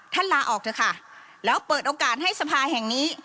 ลาออกเถอะค่ะแล้วเปิดโอกาสให้สภาแห่งนี้